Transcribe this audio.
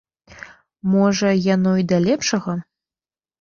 Можа, яно і да лепшага?